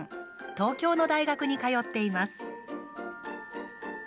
東京の大学に通っています。